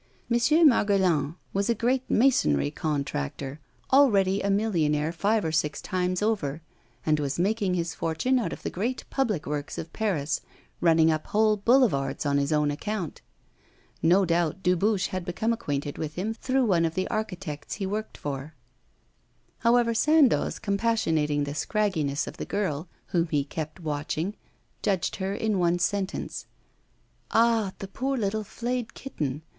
M. Margaillan was a great masonry contractor, already a millionaire five or six times over, and was making his fortune out of the great public works of Paris, running up whole boulevards on his own account. No doubt Dubuche had become acquainted with him through one of the architects he worked for. However, Sandoz, compassionating the scragginess of the girl, whom he kept watching, judged her in one sentence. 'Ah! the poor little flayed kitten.